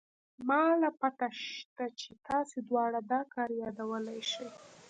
ما له پته شتې چې تاسې دواړه دا کار يادولې شې.